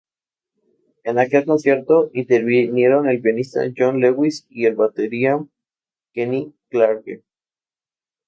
En aquel concierto intervinieron el pianista John Lewis y el batería Kenny Clarke.